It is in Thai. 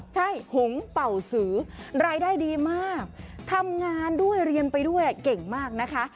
ใช่หงเป่าสือรายได้ดีมากทำงานด้วยเรียนไปด้วยเก่งมากนะคะ